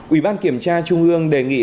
ủy ban kiểm tra trung ương đề nghị